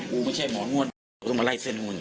กูไม่ใช่หมอนว่นต้องมาไล่เส้นหมอนเนี่ย